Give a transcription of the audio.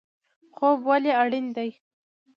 خوب ولې اړین دی؟